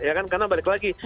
ya kan karena balik lagi